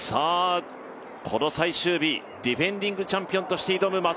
この最終日ディフェンディングチャンピオンとして挑む